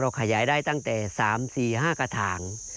ขยายได้ตั้งแต่๓๔๕กระถาง